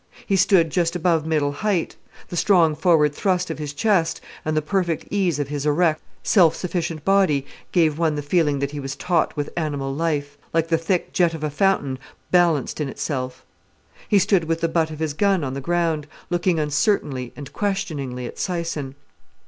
He stood just above middle height; the strong forward thrust of his chest, and the perfect ease of his erect, self sufficient body, gave one the feeling that he was taut with animal life, like the thick jet of a fountain balanced in itself. He stood with the butt of his gun on the ground, looking uncertainly and questioningly at Syson.